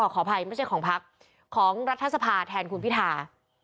ขออภัยไม่ใช่ของพักของรัฐสภาแทนคุณพิธา